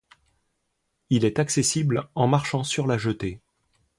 Il est accessible en marchant sur la jetée.